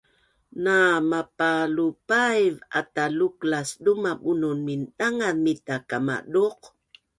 Namapalupaiv ata luklas duma bunun mindangaz mita kamaduq